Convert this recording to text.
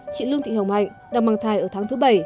chị lương thị hồng hạnh đang mang thai ở tháng thứ bảy